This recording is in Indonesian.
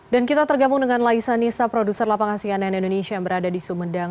dan kita tergabung dengan laisa nisa produser lapangan cnn indonesia yang berada di sumedang